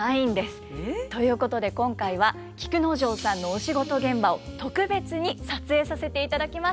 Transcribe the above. えっ？ということで今回は菊之丞さんのお仕事現場を特別に撮影させていただきました。